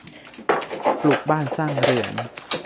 ปลูกบ้านสร้างเรือน